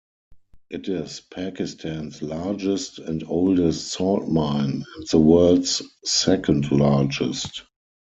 It is Pakistan's largest and oldest salt mine and the world's second largest.